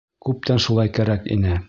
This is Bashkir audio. Күптән шулай кәрәк ине!